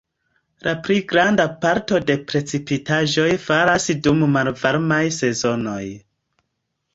La pli granda parto de precipitaĵoj falas dum malvarmaj sezonoj.